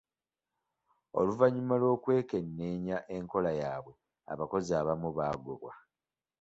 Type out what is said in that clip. Oluvannyuma lw'okwekenneenya enkola yaabwe, abakozi abamu baagobwa.